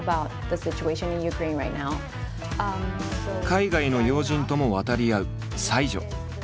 海外の要人とも渡り合う才女。